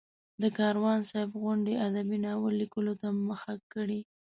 د کاروان صاحب غوندې ادیب ناول لیکلو ته مخه کړي.